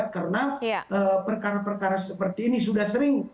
karena perkara perkara seperti ini sudah sering